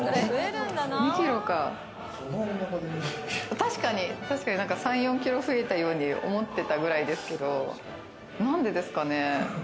確かに３４ｋｇ増えたように思ってたくらいですけど、何でです